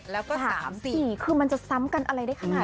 แล้วก็๓๔คือมันจะซ้ำกันอะไรได้ขนาด